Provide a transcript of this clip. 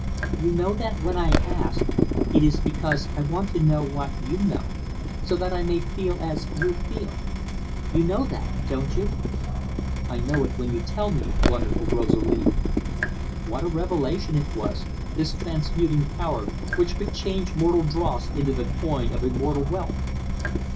"You know that when I ask, it is because I want to know what you know, so that I may feel as you feel. You know that, don't you? "I know it when you tell me, wonderful Rosalie." What a revelation it was, this transmuting power, which could change mortal dross into the coin of immortal wealth!